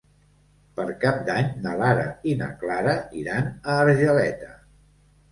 Per Cap d'Any na Lara i na Clara iran a Argeleta.